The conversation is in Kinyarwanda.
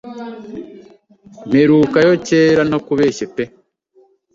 Mperukayo kera ntakubeshye pe